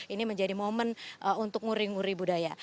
ini menjadi momen untuk nguri nguri budaya